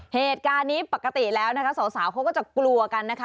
เหตุการณ์นี้ปกติแล้วนะคะสาวเขาก็จะกลัวกันนะคะ